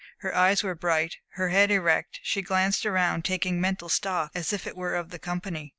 Her eyes were bright, her head erect; she glanced around taking mental stock as it were of the company.